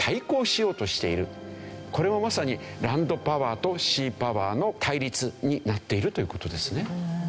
これはまさにランドパワーとシーパワーの対立になっているという事ですね。